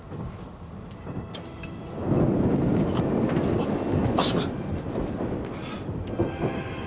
あっすいません。